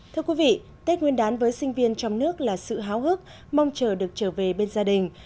thưa quý vị tết nguyên đán với sinh viên trong nước là sự háo hức mong chờ được trở về bên gia đình